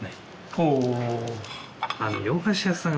ほぉ洋菓子屋さん